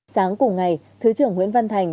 sáng cùng ngày thứ trưởng nguyễn văn thành